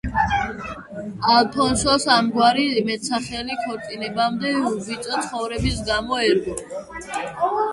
ალფონსოს ამგვარი მეტსახელი ქორწინებამდე უბიწო ცხოვრების გამო ერგო.